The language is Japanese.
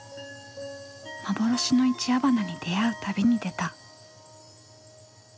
幻の一夜花に出会う旅に出た。